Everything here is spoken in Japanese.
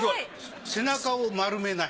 背中を丸めない。